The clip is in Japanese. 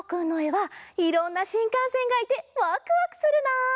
はいろんなしんかんせんがいてワクワクするな！